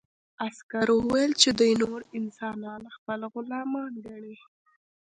عسکر وویل چې دوی نور انسانان خپل غلامان ګڼي